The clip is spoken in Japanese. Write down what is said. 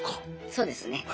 そうですね。